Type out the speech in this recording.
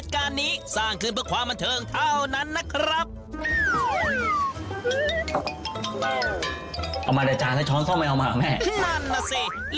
แล้วนี่แม่เอากระถามต้นไม้ว่าทำไมเนี่ย